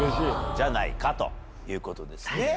じゃないかということですね。